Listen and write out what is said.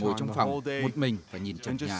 tôi chỉ ngồi trong phòng một mình và nhìn trong nhà